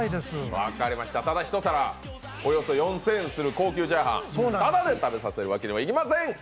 ただ、一皿およそ４０００円する高級チャーハン、ただで食べさせるわけにはいきません！